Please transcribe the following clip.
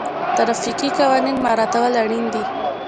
ټرافیکي قوانین مراعتول اړین دي.